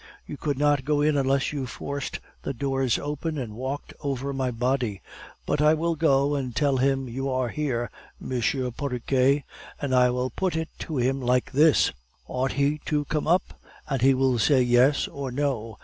You could not go in unless you forced the doors open and walked over my body. But I will go and tell him you are here, M. Porriquet, and I will put it to him like this, 'Ought he to come up?' And he will say Yes or No.